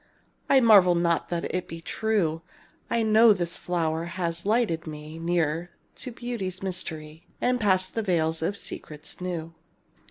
I marvel not if it be true; I know this flower has lighted me Nearer to Beauty's mystery, And past the veils of secrets new.